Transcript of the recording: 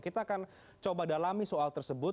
kita akan coba dalami soal tersebut